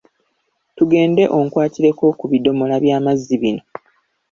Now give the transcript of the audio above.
Tugende onkwatireko ku biddomola by'amazzi bino